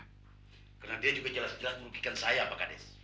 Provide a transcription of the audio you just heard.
karena dia juga jelas jelas merugikan saya pak kades